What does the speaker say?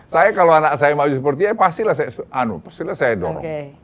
saya kalau anak saya maju seperti ya pastilah saya dorong